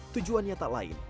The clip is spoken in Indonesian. tujuannya tak lain